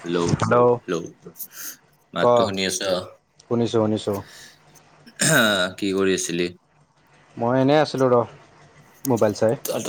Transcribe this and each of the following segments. Hello hello মাতো শুনি আছ? শুনিছো শুনিছো। কি কৰি আছিলি? মই এনেই আছিলোঁ ৰ'হ। তহঁত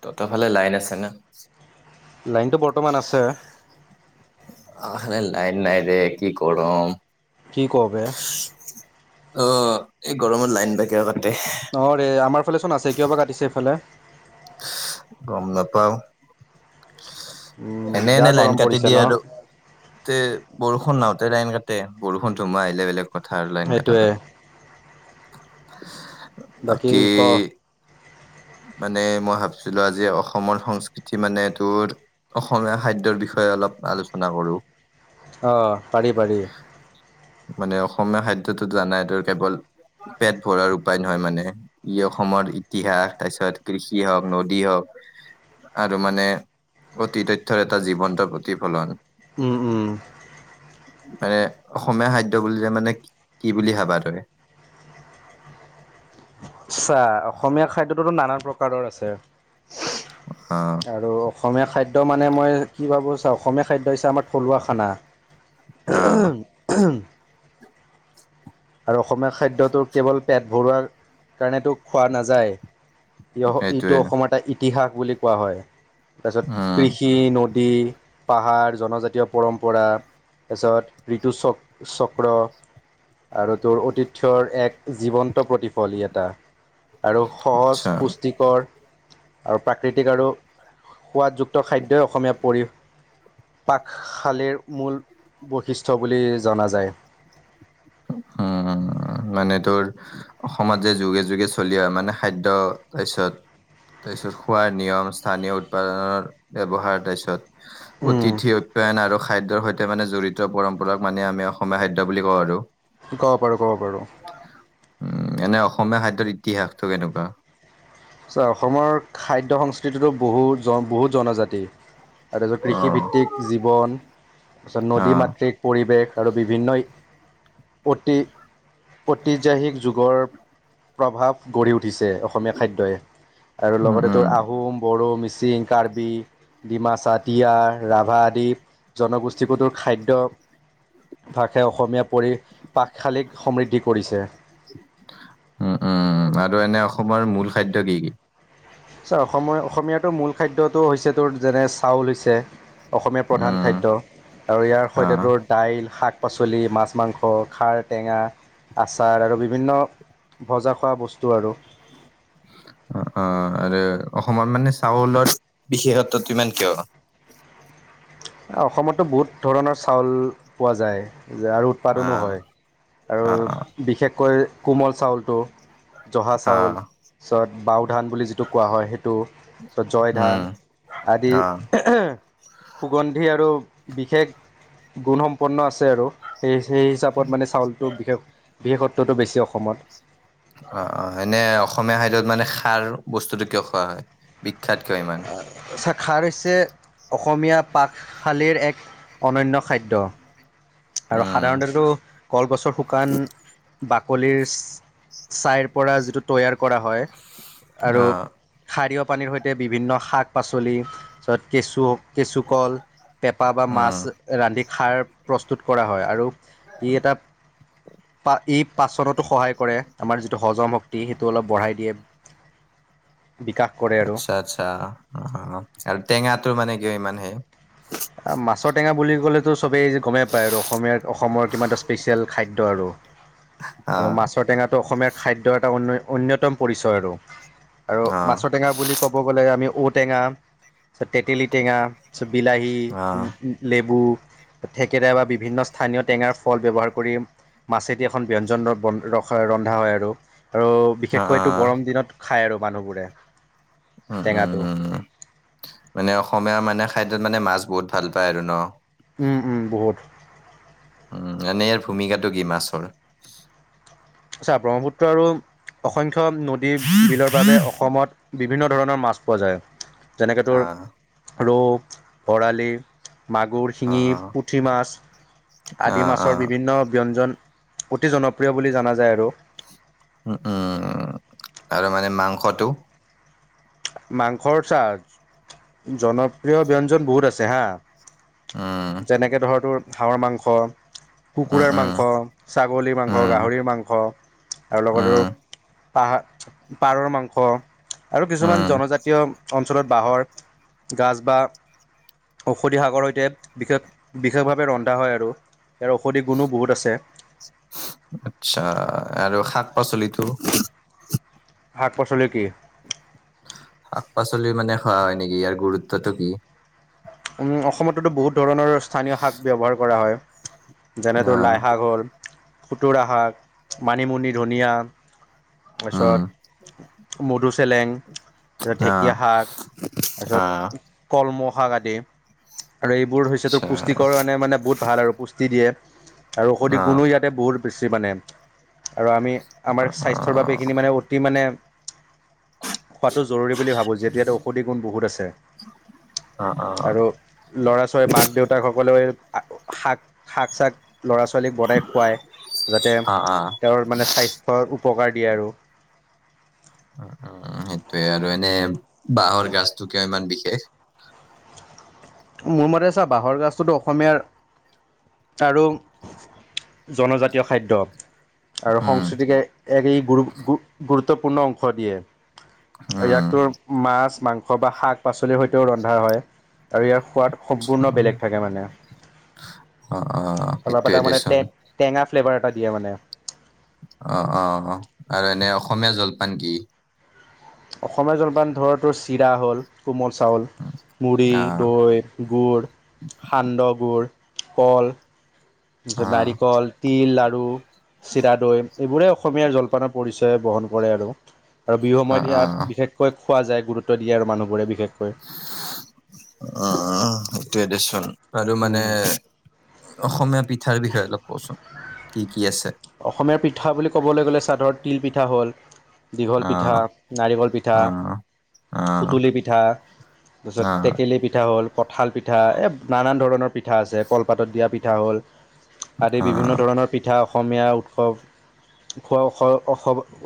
তহঁত ফালে লাইন আছে না? লাইনটো বৰ্তমান আছে। আমাৰফালে লাইন নাই দে কি গৰম। কি ক বে! অ', এই গৰমত লাইন বা কিয় কা অ', ৰে আমাৰফালে চোন আছে কিয় বা কাটিছে সেইফালে। গম নাপাও। উম এনে বেয়া এনে লাইন গৰম কাটি পৰিছে দিয়ে ন আৰু তে বৰষুণ নাওঁতে লাইন কাটে বৰষুণ ধোমা আহিলে বেলেগ কথা আৰু লাইন কটাটো। সেইটোৱে বাকী - - মানে মই ভাবছিলো আজি অসমৰ সংস্কৃতি মানে তোৰ অসমীয়া খাদ্যৰ বিষয়ে অলপ আলোচনা কৰো। অঁ পাৰি পাৰি। মানে অসমীয়া খাদ্যটো জোৱা নাই তোৰ কেৱল পেট ভৰাৰ উপায় নহয় মানে ই অসমৰ ইতিহাস। তাৰপিছত কৃষি হওক নদী হওক আৰু মানে অতি তথ্যৰ এটা জীৱন্ত প্ৰতিফলন উম উম। মানে অসমীয়া খাদ্য বুলিলে মানে কি বুলি ভাবা তই? [unintelligible] আচ্ছা অসমীয়া খাদ্যটোতো নানান প্ৰকাৰৰ আছে অ আৰু অসমীয়া খাদ্য খাদ্য মানে মই কি ভাবো চাওঁ অসমীয়া খাদ্য হৈছে আমাৰ থলুৱা খানা আহ। আৰু অসমীয়া খাদ্যটো কেৱল পেট ভৰোৱাৰ কাৰণেতো খোৱা নাযায়। ই ইটো সেইটোৱে অসমৰ এটা ইতিহাস বুলি কোৱা হয় তাৰপিছত উম কৃষি নদী পাহাৰ জনজাতীয় পৰম্পৰা তাৰপিছত ঋতু চক্ৰ। আৰু তোৰ অতিথ্যৰ এক জীৱন্ত প্ৰতিফল ই এটা। আৰু সহজ আচ্ছা পুষ্টিকৰ আৰু প্ৰাকৃতিক আৰু সোৱাদযুক্ত খাদ্যই অসমীয়া পৰি পাকশালীৰ মূল বৈশিষ্ট্য বুলি জনা যায় উম মানে তোৰ অসমত যে যুগে যুগে চলি অ মানে খাদ্য তাৰপিছত তাৰপিছত খোৱাৰ নিয়ম স্থানীয় উৎপাদনৰ ব্যৱহাৰ তাৰপিছত উম অতিথি উতপায়ন আৰু খাদ্যৰ সৈতে মানে জড়িত পৰম্পৰাক মানে আমি অসমীয়া খাদ্য বুলি কওঁ আৰু ক'ব পাৰোঁ-ক'ব পাৰোঁ। উম, এনে অসমীয়া খাদ্যৰ ইতিহাসটো কেনেকুৱা? চোৱা অসমৰ খাদ্য সংস্কৃতিটো বহুত জন বহুত জনজাতি তাৰপিছত অ'। কৃষিভিত্তিক জীৱন, তাৰপিছত নদী অ', মাতৃক পৰিৱেশ আৰু বিভিন্ন [unintelligible] যুগৰ প্ৰভাৱ গঢ়ি উঠি দিছে অসমীয়া খাদ্যই আৰু উম, লগতে উম, তোৰ আহোম বড়ো, মিচিং, কাৰ্বি, ডিমাচা, তিৱা, ৰাভা আদি। জনগোষ্ঠীবোৰটো খাদ্যভাসে অসমীয়া পৰি পাকশালীক সমৃদ্ধি কৰিছে। উম-উম আৰু এনে অসমৰ মূল খাদ্য কি-কি? চোৱা অসমৰ অসমীয়াটোৰ মূল খাদ্যটো হৈছে তোৰ যেনে চাউল হৈছে অসমীয়া প্ৰধান উম, খাদ্য আৰু ইয়াৰ সৈতে অ', তোৰ দাইল, শাক পাচলি মাছ মাংস খাৰ টেঙা আচাৰ আৰু বিভিন্ন ভজা খোৱা বস্তু আৰু অ' আৰু অসমত মানে চাউলত বিশেষত্বটো ইমান কিয় অসমতো বহুত ধৰণৰ চাউল পোৱা যায় যে আৰু উৎপাদনো অ', হয় আৰু অ', অ', বিশেষকৈ কোমল চাউলটো জহা চাউল অ', পিছত বাও ধান বুলি যিটো কোৱা হয় সেইটো আৰু জয় উম, ধান আদি অ', সেই আৰু বিশেষ গুণসম্পন্ন আছে আৰু সেই সেই হিচাপত মানে চাউলটো বিশেষ বিশেষত্বটো বেছি অসমত অ' অ' এনে অসমীয়া খাদ্যত মানে খাৰ বস্তুটো কিয় খোৱা হয় বিখ্যাত কিয় ইমান? অ' খাৰ হৈছে অসমীয়া পাকশালিৰ এক অনন্য খাদ্য আৰু উম, সাধাৰণতেটো কলগছৰ শুকান বাকলিৰ ছাইৰ পৰা যিটো তৈয়াৰ কৰা হয় আৰু অ', সাৰীয় পানীৰ সৈতে বিভিন্ন শাক পাছলি তাপিছত কেচু, কেচুকল, পেপা বা মাছ উম, ৰান্ধি খাৰ প্ৰস্তুত কৰা হয় আৰু ই এটা ই পাচনতো সহায় কৰে আমাৰ যিটো হজম শক্তি সেইটো অলপ বঢ়াই দিয়ে বিকাশ কৰে আৰু আচ্ছা আচ্ছা অ আৰু টেঙাটো মানে কিয় ইমান সেই মাছৰ টেঙা বুলি ক'লেতো চবেই গমেই পায় আৰু অসমীয়া অসমৰ কিমান এটা স্পেচিয়েল খাদ্য আৰু অ', মাছৰ টেঙাটো অসমীয়া খাদ্যৰ এটা অন্য অন্যতম পৰিচয় আৰু আৰু অ', মাছৰ টেঙা বুলি ক'ব গ'লে আমি ঔ টেঙা, ছত তেতেলী টেঙা, ছত বিলাহী, অ', লেবু থেকেৰা বা বিভিন্ন স্থানীয় টেঙাৰ ফল ব্যৱহাৰ কৰিম। মাছেদি এখন ব্যঞ্জনৰ বন- ৰখা- ৰন্ধা হয় আৰু। আৰু অ', বিশেষকৈ এইটো অ'। গৰম দিনত খায় আৰু মানুহবোৰে। উম - উম টেঙাটো - উম, মানে অসমীয়া মানে খাদ্যত মানে মাছ বহুত ভাল পায় আৰু ন'। উম - উম, বহুত। উম, এনে ইয়াৰ ভূমিকাটো কি মাছৰ? আচ্ছা, ব্ৰহ্মপুত্ৰ আৰু অসংখ্য নদী-বিলৰ বাবে অসমত বিভিন্ন ধৰণৰ মাছ পোৱা যায়, যেনেকৈ তোৰ আহ, ৰৌ, বৰালি, মাগুৰ, শিঙি, অ', পুঠি মাছ আদি অ', মাছৰ অ', বিভিন্ন ব্যঞ্জন অতি জনপ্ৰিয় বুলি জনা যায় আৰু। উম - উম, আৰু মানে মাংসটো? মাংসৰ চা, জনপ্ৰিয় ব্যঞ্জন বহুত আছে হা। উম, যেনেকে ধৰ তোৰ হাঁহৰ মাংস, উম, কুকুৰাৰ উম, মাংস। উম, আৰু লগতে উম, পাহা পাৰৰ মাংস আৰু কিছুমান উম। জনজাতীয়। অঞ্চলত বাঁহৰ গাজ বা ঔষধি শাকৰ সৈতে বিশেষ বিশেষভাৱে ৰন্ধা হয় আৰু। ইয়াৰ ঔষধি গুণো বহুত আছে। প্ৰচলিতো। শাক পাচলি কি। শাক পাচলি মানে খোৱা হয় নেকি। ইয়াৰ গুৰুত্বটো কি। উম অসমততো বহুত ধৰণৰ স্থানীয় শাক ব্যৱহাৰ কৰা হয়। যেনেতো অ', লাইশাক হ'ল খুতুৰা শাক, মানিমুনি, ধনিয়া। উম, তাৰপিছত মধু চেলেং তাৰপিছত ঢেকীয়া অ', শাক। তাৰ অ', পিছত কলমৌশাক আদি। আৰু এইবোৰ হৈছে তোৰ আচ্ছা, পুষ্টিকৰ। কাৰণে মানে বহুত ভাল আৰু পুষ্টি দিয়ে। আৰু ঔষধি অ', গুণো ইয়াতে বহুত বেছি। মানে আৰু আমি অ', আমাৰ স্বাস্থ্যৰ বাবে এইখিনি মানে অতি মানে। খোৱাটো জৰুৰী বুলি ভাবোঁ। যিহেতু ইয়াতে ঔষধি গুণ বহুত আছে। অ', অ', আৰু ল'ৰা ছোৱালী মাক দেউতাক সকলেও শাক শাক চাক ল'ৰা ছোৱালীক বনাই। খোৱাই যাতে অ', অ', তেওঁ ৰ মানে স্বাস্থ্য উপকাৰ দিয়ে। আৰু উম, সেইটোয়ে আৰু এনে বাঁহৰ গাজটো কিয় ইমান বিশেষ। মোৰ মতে চা বাঁহৰ গাজটোতো অসমীয়াৰ। আৰু জনজাতীয় খাদ্য আৰু উম, সংস্কৃতিকে একেই গুৰু গুৰুত। গুৰুতপূৰ্ণ অংশ দিয়ে ইয়াক উম, টো মাছ। মাংস বা শাক পাচলিৰ সৈতেও ৰন্ধা হয়। আৰু ইয়াৰ সোৱাদ সম্পূৰ্ণ বেলেগ থাকে মানে। অ', অ', অলপ সেইটোয়ে তাৰ মানে টে দেচোন। টেঙা। ফ্লেভাৰ এটা দিয়ে মানে। অ, অ, অ, আৰু এনে অসমীয়া জলপান কি? অসমীয়া জলপান ধৰ তো চিৰা হ'ল। কোমল চাউল, মুড়ি, অ', দৈ, গুড়, সান্দহ গুড়। কল, অ', নাৰিকল, তিল লাৰু, চিৰা, দৈ এইবোৰেহে অসমৰ। অসমীয় জলপানৰ পৰিচয় বহন কৰে। আৰু আৰু বিহু অ', সময়ত ইয়াত অ', বিশেষকৈ। খোৱা যায় গুৰুত্ব দিয়ে মানুহবোৰে বিশেষ। অ সেইটোৱে দেচোন আৰু মানে। উম, অসমীয়া পিঠাৰ বিষয়ে অলপ কচোন কি কি? আছে? অসমীয়াৰ পিঠা বুলি ক'বলৈ গ'লে, চাদৰত তিল পিঠা হ'ল। দীঘল পিঠা, অ', নাৰিকল পিঠা, অ', অ', সুতুলি পিঠা। তাৰপিছত অ', টেকেলি পিঠা হ'ল, কঠাল পিঠা এ নানান ধৰণৰ পিঠা আছে কলপাতত দিয়া পিঠা। পিঠা হ'ল, আদি বিভিন্ন অ', ধৰণৰ পিঠা অসমীয়া উৎসৱ। খোৱা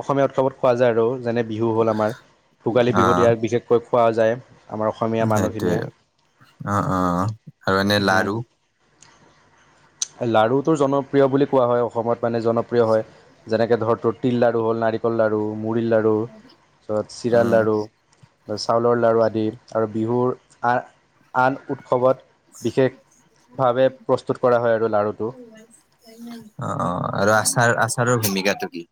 অসমীয়া উৎসৱত খোৱা যায়। আৰু যেনে বিহু হ'ল আমাৰ ভোগালী বিহুত ইয়াক বিশেষকৈ খোৱা যায়। আমাৰ অসমীয়া মানুহখিনিয়ে সেইটোৱে আহ আহ আৰু এনে লাৰু। লাৰুটো জনপ্ৰিয় বুলি কোৱা হয়। অসমত মানে জনপ্ৰিয় হয়। যেনেক ধৰ তিল লাড়ু হ'ল নাৰিকল লাড়ু। মুড়িৰ লাড়ু তাৰপিছত চিৰা উম, লাড়ু চাউলৰ লাড়ু আদি। আৰু বিহুৰ আ আন উৎসৱত। বিশেষভাৱে প্ৰস্তুত কৰা হয় আৰু লাড়ুটো অ আৰু আচাৰ আচাৰৰ ভূমিকাটো কি?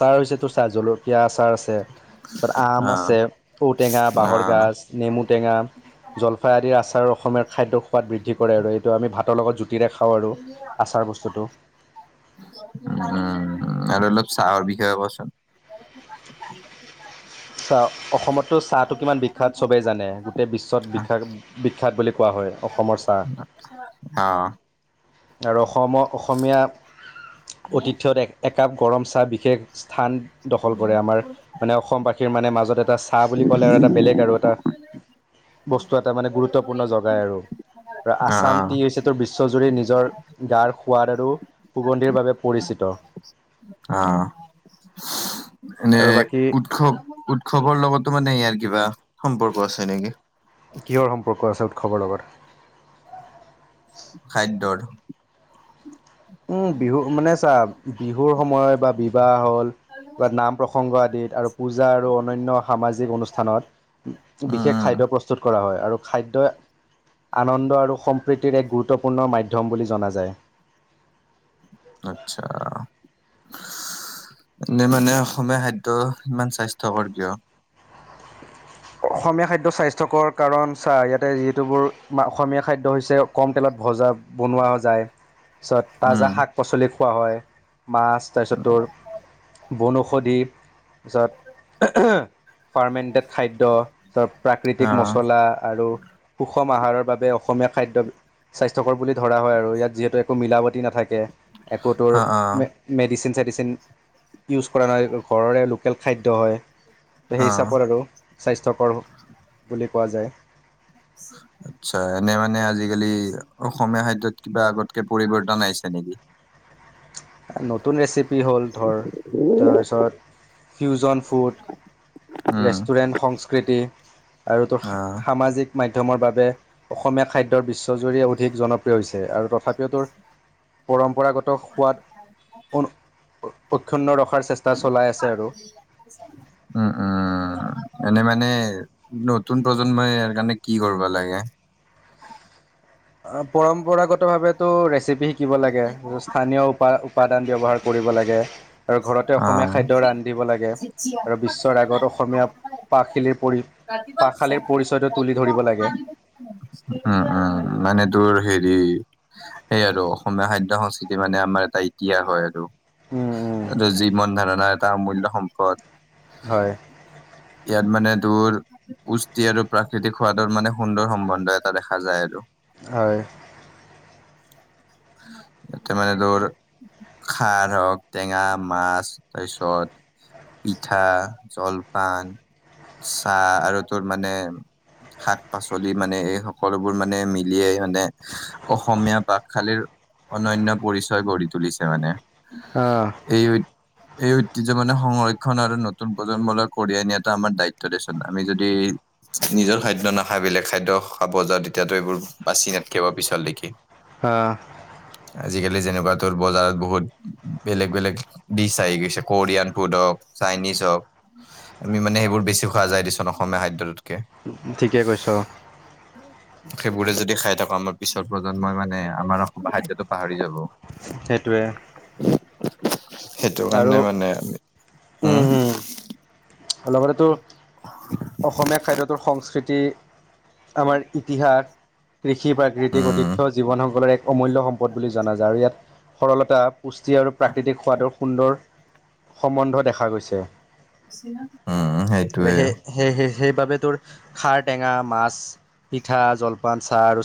আচাৰ হৈছে, টো চাৰ জলকীয়া আচাৰ আছে। তাৰ পাছত আম অ', আছে ঔটেঙা বাঁহৰ অ', গাজ নেমু টেঙা জলফাই আদিৰ আচাৰ। অসমীয়াৰ খাদ্যৰ সোৱাদ বৃদ্ধি কৰে। আৰু এইটো আমি ভাতৰ লগত জুতিৰে খাওঁ আৰু আচাৰ বস্তুটো। উম। [unintelligible] অসমত টো চাহটো কিমান বিখ্যাত চবেই জানে। গোটেই বিশ্বত ব বিখ্যাত বুলি কোৱা হয়। অসমৰ চাহ। অ আৰু অসম অসমীয়া। স্থান দখল কৰে আমাৰ মানে অসমবাসীৰ মানে মাজত এটা। হাঁ বুলি ক'লে আৰু এটা বেলেগ আৰু এটা বস্তু এটা। এটা মানে গুৰুত্বপূৰ্ণ জগাই আৰু অ আছাম টি হৈছে ত বিশ্বজুৰি নিজৰ। গাৰ সোৱাদ আৰু সুগন্ধিৰ বাবে পৰিচিত। অ এনে আৰু বাকী উৎসৱ উৎসৱৰ লগতো মানে ইয়াৰ কি। কিবা সম্পৰ্ক আছে নেকি? কিহৰ সম্পৰ্ক আছে উৎসৱৰ লগত খাদ্যৰ। উম বিহু মানে চা বিহুৰ সময়ত বা বিবাহ হ'ল। বা নাম প্ৰসংগ আদিত আৰু পূজা আৰু অনান্য সামাজিক অনুষ্ঠানত উম বিশেষ খাদ্য। উম প্ৰস্তুত কৰা হয়। আৰু খাদ্যই আনন্দ আৰু সম্প্ৰীতিৰ এক গুৰুত্বপূৰ্ণ মাধ্যম বুলি জনা যায়। আচ্ছা। এনে মানে অসমীয়া খাদ্য ইমান স্বাস্থ্যকৰ কিয়। অসমীয়া খাদ্য স্বাস্থ্যকৰ কাৰণ চা। ইয়াতে যিহেতুবোৰ অসমীয়া খাদ্য হৈছে। কম তেলত ভজা। ভজা বনোৱা যায়। তাৰপিছত তাজাহ উম শাক-পাচলি খোৱা হয়। মাছ তাৰপিছত তোৰ বনৌঔষধি তাৰপিছত পাৰ্মেণ্টেড খাদ্য। খাদ্য প্ৰাকৃতিক অ মচলা আৰু সুষম আহাৰৰ বাবে অসমীয়া খাদ্য। স্বাস্থ্যকৰ বুলি ধৰা হয়। আৰু ইয়াত যিহেতু একো মিলাবতি নাথাকে। একো তোৰ অ অ মেডিচিন মেডিচিন ইউজ কৰা নাই। ঘৰৰে লোকেল খাদ্য হয়, তো সেই অ হিচাপত আৰু স্বাস্থ্যকৰ বুলি কোৱা যায়। আটচা এনে মানে আজিকালি অসমীয়া খাদ্যত কিবা আগতকে পৰিৱৰ্তন আহিছে। নেকি? নতুন ৰেচিপি হ'ল ধৰ তাৰপিছত ফিউজন ফুড। উম ৰেষ্টুৰেণ্ট সংস্কৃতি। আৰু তৰ অ সামাজিক মাধ্যমৰ বাবে অসমীয়া খাদ্যৰ বিশ্বজুৰি অধিক জনপ্ৰিয় হৈছে। আৰু তথাপিও তোৰ পৰম্পৰাগত সোৱাদ। অক্ষুন্ন চেষ্টা চলাই আছে। আৰু উম, উম। এনে মানে নতুন প্ৰজন্মই ইয়াৰ কাৰণে কি কৰিব লাগে। অ পৰম্পৰাগত ভাবে টো ৰেচিপি শিকিব লাগে। স্থানীয় উপায় উপাদান ব্যৱহাৰ কৰিব লাগে। আৰু ঘৰতে অ অসমীয়া উম, খাদ্য ৰান্ধিব লাগে আৰু বিশ্বৰ আগত অসমীয়া পাশিলিৰ পৰি পাকশালীৰ পৰিচয়টো তুলি ধৰিব লাগে উম, মানে। টোৰ হেৰি এই আৰু অসমীয়া খাদ্যয় সংস্কৃতি মানে আমাৰ এটা ইতিহাস হয়। আৰু উম, উম। জীৱন ধাৰণা এটা অমূল্য সম্পদ। হয় ইয়াত মানে টোৰ পুষ্টি আৰু প্ৰাকৃতিক সোৱাদৰ মানে সুন্দৰ সম্বন্ধ এটা দেখা যায়। আৰু হয়। ত মানে ধৰ খাৰ হওঁক। টেঙা মাছ তাৰপিছত পিঠা, জলপান। চাহ আৰু তোৰ মানে। শাক পাচলি মানে এই সকলোবোৰ মানে মিলিয়াই। মানে অসমীয়া পাকশালীৰ অননয় পৰিচয় গঢ়ি তুলিছে। মানে অ এই। এই ঐতিয্য মানে সংৰক্ষণ আৰু নতুন প্ৰজন্মলৈ কঢ়িয়াই নিয়াটো আমাৰ দায়িত্ব দিচন। আমি যদি নিজৰ খাদ্যৰ নাখায়, বেলেগ খাদ্য খাব যাওঁ। তেতিয়াতো এইবোৰ বাচি নাথকিয়াব পিছল দেখি। হ আজিকালি যেনেকুৱাতো বজাৰত বহুত। বেলেগ বেলেগ ডিছ আহি গৈছে। কোৰিয়ান ফুড হওঁক চাইনিজ হওঁক। আমি মানে সেইবোৰ বেছি খোৱা যায়। দিচোন অসমীয়া খাদ্যটোত। ঠিকে কৈছ সেইবোৰে যদি খাই থাকো। আমাৰ পিছৰ প্ৰজন্মই মানে আমাৰ অসম খাদ্যতো পাহৰি যাব। হেটোৱে। সেইটো কাৰণে মানে। হম লগতেতো অসমীয়া খাদ্যটোৰ সংস্কৃতি আমাৰ ইতিহাস কৃষি প্ৰাকৃতিক উম অতিথ্য জীৱনসকলৰ এক অমূল্য সম্পদ। সম্পদ বুলি জনা যায়, আৰু ইয়াত সৰলতা পুষ্টি আৰু প্ৰাকৃতিক সোৱাদৰ সুন্দৰ সম্বন্ধ দেখা গৈছে। উম সেইটোৱে। সেই সেই সেইবাবে তোৰ খাৰ, টেঙা, মাছ, পিঠা, জলপান, চাহ আৰু